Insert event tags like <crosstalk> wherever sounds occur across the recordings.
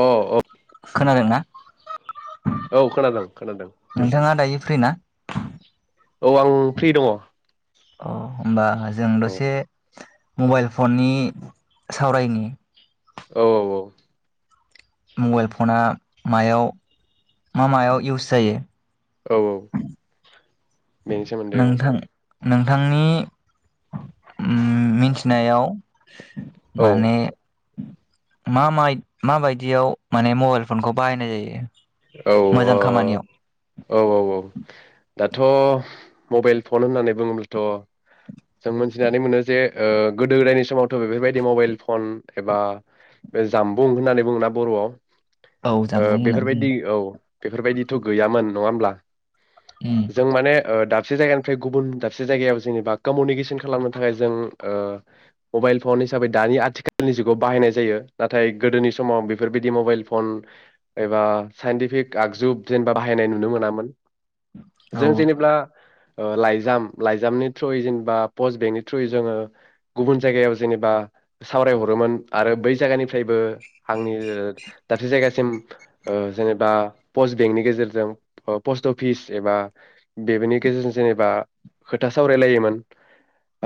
अ औ खोनादों ना औ खोनादों खोनादों नोंथाङा दायो फ्रि ना <inaudible> औ आं फ्रि दङ अ होमबा आ जों औ दसे मबाइल फननि सावरायनि औ औ औ मबाइल फना मायाव मा मायाव इउस जायो औ बेनि सोमोन्दै औ नोंथां नोंथांनि उम मिनथिनायाव औ माने मा मा बायदियाव माने मबाइल फनखौ बाहायनाय जायो औ मोजां खामानियाव औ औ औ दाथ' मबाइल फन होननानै बुङोब्लाथ' जों मोनथिनानै मोनो जे ओ गोदो गोदायनि समावथ' बेफोरबायदि मबाइल फन एबा बे जामबुं होननानै बुङोना बर'आव औ ओ जामबुं होनना बेफोरबायदि औ बुङो बेफोरबायदिथ' गैयामोन नङा होमब्ला उम जों माने दाबसे जायगानिफ्राय गुबुन दाबसे जायगायाव जेनेबा कमिउनिकेसन खालामनो थाखाय जों ओ मबाइल फन हिसाबै दानि आथिखालनि जुगाव बाहायनाय जायो नाथाय गोदोनि समाव बेफोरबायदि मबाइल फन एबा साइन्टिफिक आगजु जेनेबा बाहायनाय नुनो मोनामोन औ जों जेनेब्ला ओ लाइजाम लाइजामनि थ्रुयै जेनेबा पस्ट बेंकनि थ्रुयै जोङो गुबुन जायगायाव जेनेबा सावरायहरोमोन आरो बै जायगानिफ्रायबो हांनि दाबसे जायगासिम सिम ओ जेनेबा पस्ट बेंकनि गेजेरजों ओ पस्ट अफिस एबा बेफोरनि गेजेरजों जेनेबा खोथा सावरायलायोमोन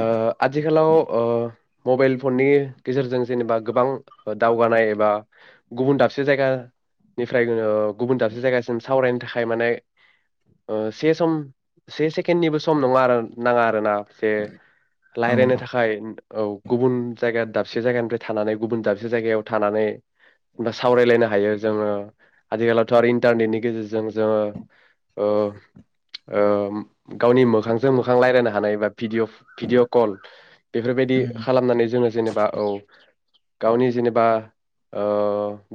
आ आथिखालाव ओ मबाइल फननि गेजेरजों जेनेबा गोबां दावगानाय एबा गुबुन दाबसे जायगानि फ्राय गुबुन दाबसे जायगासिम सावरायनो थाखाय माने से सम से सेकेणडनिबो सम नङा आरो नाङा आरो ना जे औ रायज्लायनो थाखाय औ गुबुन जायगा दाबसे जायगानिफ्राय थानानै गुबुन दाबसे जायगायाव थानानैबा सावरायलायनो हायो जोङो आथिखालावथ' आरो इन्टारनेटनि गेजेरजों जोङो ओ गावनि मोखांजों मोखां रायज्लायनो हानाय बा भिदिय भिडिअ' कल बेफोरबायदि उम खालामनानै जोङो जेनेबा औ गावनि जेनेबा ओ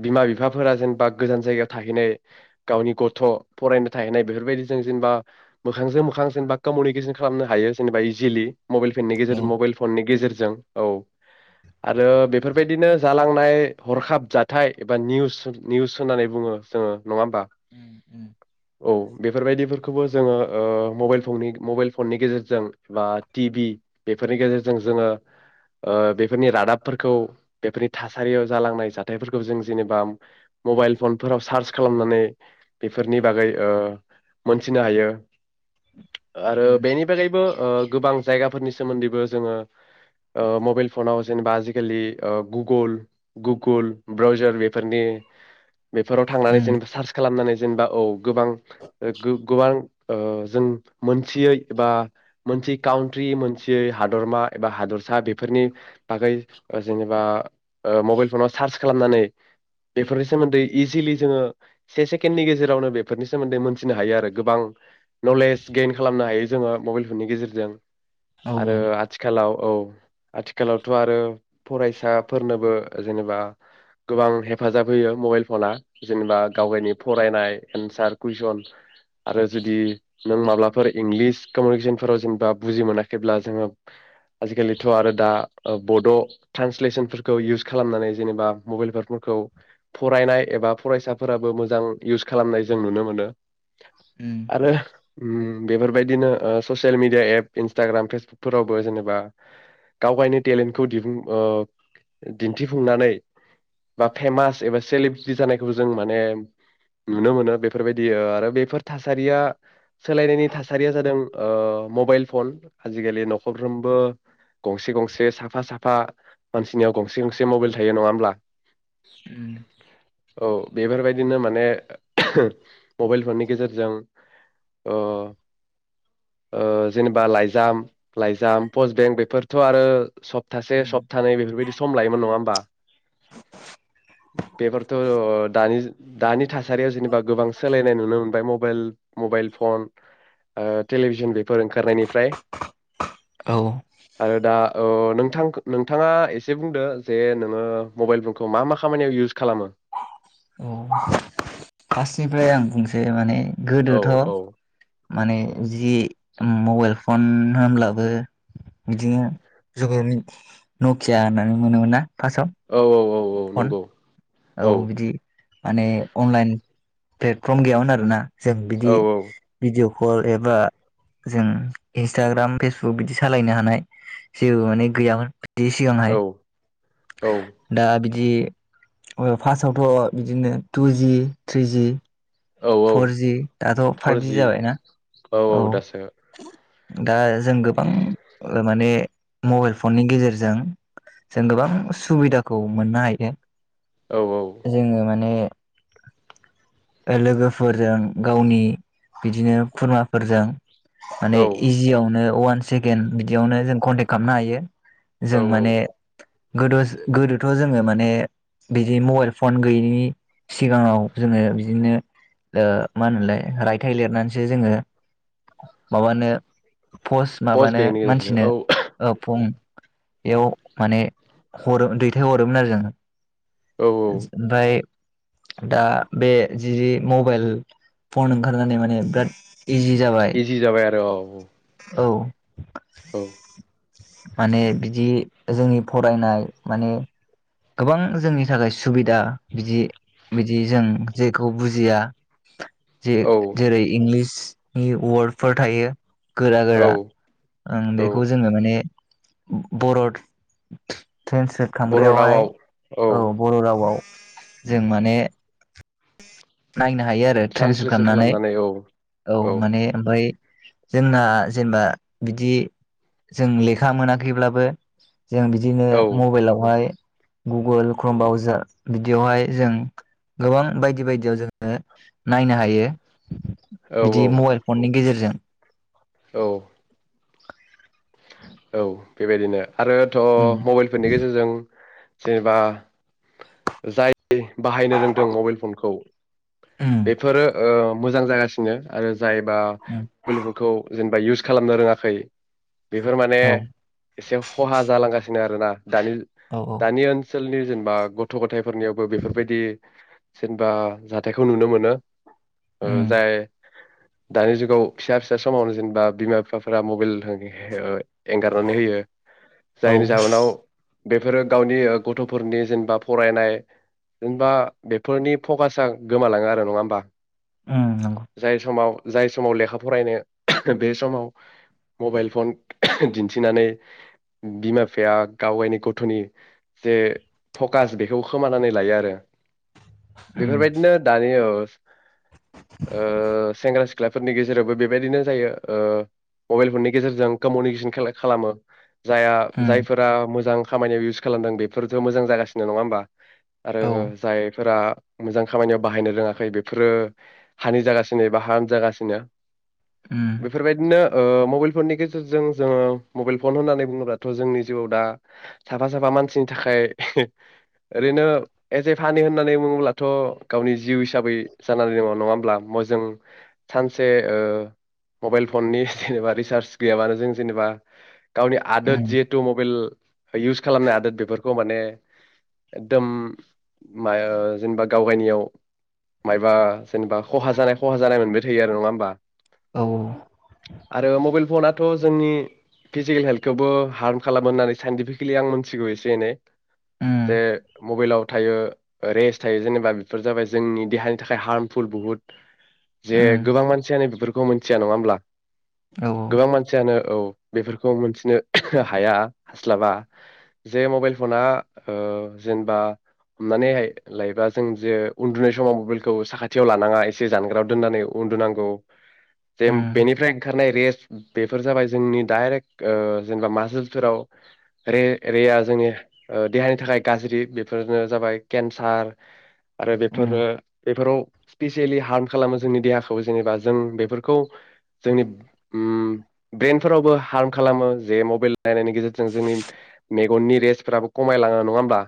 बिमा बिफाफोरा जेनेबा गोजान जायगायाव थाहैनाय गावनि गथ' फरायनो थाहैनाय बेफोरबायदि जों जेनेबा मोखांजों मोखां जेनेबा कमिउनिकेसन खालामनो हायो जेनेबा इजिलि मबाइल फेननि औ गेजेर मबाइल फननि गेजेरजों जों औ आरो बेफोरबायदिनो जालांनाय हरखाब जाथाय एबा निउस निउस होननानै बुङो जोङो नङा होमबा उम उम औ बेफोरबायदिफोरखौबो जोङो मबाइनि मबाइल फननि गेजेरजों बा टि भि बेफोरनि गेजेरजों जोङो बेफोरनि ओ रादाबफोरखौ बेफोरनि थासारियाव जालांनाय जाथायफोरखौ जों जेनेबा मबाइल फनफोराव सार्च खालामनानै बेफोरनि बागै मोनथिनो हायो आरो उम बेनिफ्राय बागैबो ओ गोबां जायगाफोरनि सोमोन्दैबो जोङो मबाइल फनाव जेनेबा आजिखालि गुगोल गुगोल ब्रावजार बेफोरनि बेफोराव थांनानै उम जेनेबा सार्च खालामनानै जेनेबा औ गोबां गोबां ओ जों मोनथियै एबा मोनसे काउट्रि मोनसे सियै हादरमा एबा हादरसा बेफोरनि बागै जेनेबा ओ मबाइल फ'नाव सार्च खालामनानै बेफोरनि सोमोन्दै इजिलि जोङो से सेकेण्डनि गेजेरावनो बेफोरनि सोमोन्दै मोनथिनो हायो आरो गोबां नलेज गेइन खालामनो हायो जोङो मबाइल फननि गेजेरजों औ आरो उम आथिखालाव औ आथिखालावथ' आरो फरायसाफोरनोबो जेनेबा गोबां हेफा हेफाजाब होयो मबाइल फना जेनेबा गावावनि फरायनाय एन्सार कुइसन आरो जुदि नों माब्लाफोर इंलिस कमिउनिकेसनफोराव जेनेबा बुजि मोनाखैब्ला जोङो आजिखालिथ' आरो दा बड' ट्रान्सलेसनफोरखौ इउस खालामनानै जेनेबा मबाइलफोरखौ फरायनाय एबा फरायसाफोराबो मोजां इउस खालामनाय जों नुनो मोनो उम आरो होम बेफोरबायदिनो ओ ससियेल मिडिया एप इन्सटाग्राम फेसबुकफोरावबो जेनेबा गाव गावनि टेलेन्टखौ दिन्थिफुंनानै बा फेमास एबा सेलब्रिटि जानायखौ जों माने नुनो मोनो बेफोरबायदि आरो बेफोर थासारिया सोलायनायनि थासारिया जादों मबाइल फन आजिखालि न'खरफ्रोमबो गंसे गंसे साफा साफा मानसिनियाव गंसे गंसे मबाइल थायो नङा होमब्ला उम औ बेफोरबायदि नो माने मबाइल फननि गेजेरजों जेनेबा ओ ओ लाइजाम लाइजाम पस बेंक बेफोरथ' आरो सप्तासे उम सप्तानै बेफोरबायदि सम लायोमोन नङा होमबा बेफोरथ' दानि दानि थासारियाव जेनेबा गोबां सोलायनाय नुनो मोनबाय मबाइल मबाइल फन ओ टेलिभिसन बेफोर ओंखारनायनिफ्राय औ आरो दा ओ नोंथां नोंथाङा एसे बुंदो जे नोङो मबाइल फनखौ मा मा खामानियाव इउस खालामो औ फार्स्टनिफ्राय आं बुंसै माने औ गोदोथ' औ माने जिदि मबाइल फन होनब्लाबो बिदिनो जुग नकिया होननानै मोनोमोन ना फार्स्टआव औ औ औ औ फन नंगौ औ बिदि माने अनलाइन प्लेटफर्म गैयामोन आरोना जों बिदि औ औ भिडिअ हर एबा जों इन्सटाग्राम फेसबुक बिदि सालायनो हानाय जेबो माने गैयामोन बि सिगांहाय औ औ दा बि दि फार्स्टआवथ' बिदिनो टुजि थ्रिजि औ औ फरजि दाथ' फाइभजि फरजि जाबायना औ दा जों गोबां माने मबाइल फननि गेजेरजों जों गोबां सुबिदाखौ मोननो हायो औ औ जोङो माने लोगोफोरजों गावनि बिदिनो खुरमाफोरजों माने औ इजियावनो वान सेकेन्दड बिदियावनो जों कन्टेक्ट खालामनो हायो जों औ औ माने गोदो गोदोथ' जोङो माने बिदि मबाइल फन गैयैनि सिगाङाव जोङो बिदिनो मा होनोमलाय रायथाइ लिरनानैसो जोङो माबानो पस पस्ट माबानो बेंकनि गेजेरजों मानसिनो औ फं बेयाव माने हरो दैथाय हरोमोन आरो जोङो औ औ ओमफ्राय दा बे जि मबाइल फन ओंखारनानै माने बिराद इजि जाबाय इजि जाबाय आरो औ। औ औ माने बिदि जोंनि फरायनाय माने गोबां जोंनि थाखाय सुबिदा बिदि बिदि जों जेखौ बुजिया जे औ जेरै इंलिस नि वार्डफोर थायो गोरा औ गोरा ओं औ बेखौ जोङो माने बर'ड ट्रेन्सलेट बर' खालामग्रायावहाय रावाव औ बर' रावआव जों माने नायनो हायो आरो ट्रेन्सलेट ट्रान्सलेसन खालामनानै औ औ माने ओमफाय जोंना जेनेबा बिदि जों लेखा खा मोनाखैब्लाबो जों बिदिनो औ मबाइलावहाय गुगोल क्रमबावजार बिदियावहाय जों गोबां बायदि बायदियाव जोङो नायनो हायो। औ बिदि औ मबाइल फननि गेजेरजों औ औ बेबायदिनो। आरो थ उम मबाइलफोरनि गेजेरजों जेनेबा जाय बाहायनो रोंदों मबाइल फनखौ उम बेफोरो ओ मोजां जागासिनो आरो जायबा उम मबाइल फनखौ जेन बा इयुस खालामनो रोङाखै बे बेफोर माने औ एसे खहा जालांगासिनो। बिदिनो आरो ना। दानि औ औ दानि ओनस ओनसोलनि जेनेबा गथ' गथाय फोरनियावबो बेफोरबायदि जेनबा जाथायखौ नुनो मोनो। ओ उम जाय दानि जुगाव फिसा फिसा समावनो जेनेबा बिमा बिफाफोरा मबाइल होयो। <unintelligible> एंगारनानै होयो औ जायनि जाहोनाव बेफोरो गावनि गथ'फोरनि जेनेबा फरायनाय जेनेबा बेफोरनि फकासा गोमालाङो आरो नङा होमबा उम नंगौ जाय समाव जाय समाव लेखा फरायनो बे समाव मबाइल फन दिन्थिनानै बिमा बिफाया गाव गायनि गथ'नि जे फकास बेखौ खोमानानै लायो आरो उम बेफोरबायदिनो दानि ओ ओ सेेंग्रा सि सिख्लाफोरनि गेजेरावबो बेबायदिनो जायो ओ मबाइल फननि गेजेरजों कमिउनिकेसन खेला खालामो जाया उम जायफोरा मोजां खामानियाव इउस खालामदों बेफोरथ' मोजां जागासिनो नङा होमबा आरो औ जायफोरा मोजां खामानियाव बाहायनो रोङाखै बेफोरो हानि जागासिनो एबा हाम जागासिनो उम बेफोर बायदिनो ओ मबाइल फननि जों जोङो मबाइल फन होननानै बुङोब्लाथ' जोंनि जिउआव दा साफा साफा मानसिनि थाखाय ओरैनो एस ए फानि होननानै बुङोब्लाथ' गावनि जिउ हिसाबै जानानै दङ नङा होमब्ला म जों सानसे ओ मबाइल फननि जेनेबा रिसार्ज गैयाबानो जों जेनेबा गावनि आदोद उम जिहेतु मबाइल इउस खालामनाय आदोद बेफोरखौ माने एकदम मा जेनेबा गाव गायनियाव माबा जेनेबा खहा जानाय खहा जानाय मोनबाय थायो आरो नङा होमबा औ आरो मबाइल फना थ' जोंनि फिजिकेल हेल्थखौबो हार्म खालामो होननानै साइन्टिफिकेलि आं मोनथिगौ एसे एनै उम जे मबाइलाव थायो रेस थायो जेनेबा बेफोर जाबाय जोंनि देहानि थाखाय हार्मफुल बुहुद जे उम गोबां मानसियानो बेफोरखौ मिथिया नङा होमब्ला औ गोबां मान औ बेफोरखौ मोनथिनो हाया हास्लाबा जे मबाइल फना ओ जेनेबा हमनानै लायोबा जों जे उन्दुनाय समाव मबाइलखौ साखाथियाव लानाङा एसे जानग्राायाव दोननानै उन्दुनांगौ जे उम बेनिफ्राय ओंखारनाय रेस्ट बेफोर जाबाय जोंनि डाइरेक्ट जेनेबा माजोलफोरावे रेआ जोंनि देहानि थाखाय गाज्रि बेफोरनो जाबाय केन्सार आरो उम बेफोरो बेफोराव स्पिसियेलि हार्म खालामो जोंनि देहाखौ जेनेबा जों बेफोरखौ जोंनि ओम ब्रेनफोरावबो हार्म खालामो जे मबाइल नायनायनि गेजेरजों जोंनि मेगननि रेस्फोराबो खमायलाङो नङा होमबा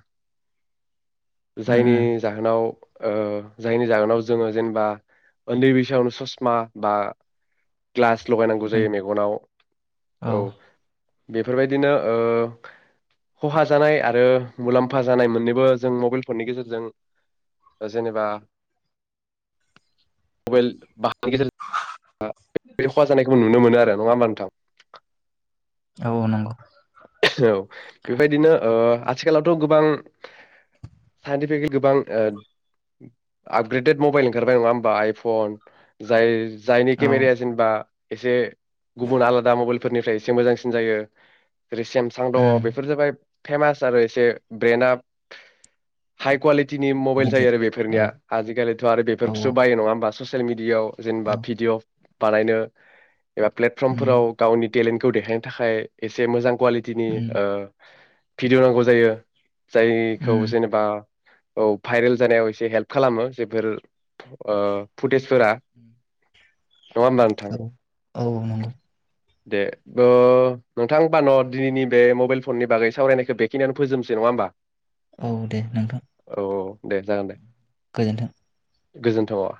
उम जायनि उम जाहोनाव ओ जायनि जाहोनाव जोङो जेनेबा उन्दै बैसोआवनो ससमा बा ग्लास लगायनांगौ उम जायो औ बेफोरबायदिनो ओ खहा जानाय आरो मुलाम्फा जानाय मोननैबो जों मबाइल फननि गेजेरजों जेनेबा मबाइल बाहायनि गेजेरजों खहा जानायखौ नुनो मोनो आरो नङा होनबा नोंथां औ नंगौ औ बेबायदिनो ओ आथिखालावथ' गोबां साइन्टिफिकलि गोबां आपग्रेडेड मबाइल ओंखारबाय नङा होमबा आइफन जाय जायनि औ केमेरिया जेनबा एसे गुबुन आलादा मबाइलफोरनिफ्राय एसे मोजांसिन जायो जेरै सेमसां दङ उम बेफोर जाबाय फेमास आरो एसे ब्रेन्डआ हाइ कुवालिटि टिनि मबाइल जायो गिदिर आरो बेफोरनिया औ आजिखालिथ' आरो औ बेफोरखौसो औ बायो नङा होमबा ससियेल मिडियाआव औ जेनेबा भिडिअ बानायनो एबा प्लेटफर्मफोराव उम गावनि टेलेन्टखौ देखायनो थाखाय एसे मोजां कुवालिटिनि उम ओ भिडिअ नांगौ जायो जायखौ उम जेनेबा औ भाइरेल जानायाव एसे हेल्प खालामो जेफोर ओ फुटेजफोरा उम नङा होनबा नोंथां औ औ नंगौ दे ओ नोंथां होमबा न' दिनैनि बे मबाइल फननि बागै सावरायनायखौ बेखिनियानो फोजोबनोसै नङा होमबा औ दे नोंथां औ औ दे जागोन दे गोजोन्थों गोजोन्थावा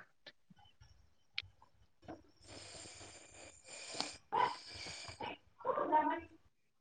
<inaudible>